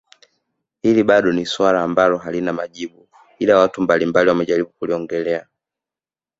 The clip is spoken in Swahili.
Hili bado ni swali ambalo halina majibu ila watu mbalimbali wamejaribu kuliongelea